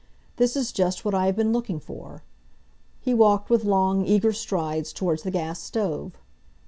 "This is just what I have been looking for." He walked with long, eager strides towards the gas stove.